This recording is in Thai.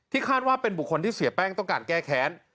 คาดว่าเป็นบุคคลที่เสียแป้งต้องการแก้แค้น